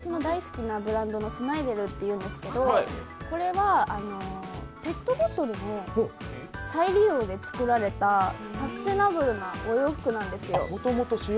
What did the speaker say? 私の大好きなブランドのＳＮＩＤＥＬというんですけどこれはペットボトルの再利用で作られたサステイナブルなお洋服なんですよ。